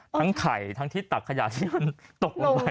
ไข่ทั้งที่ตักขยะที่มันตกลงไป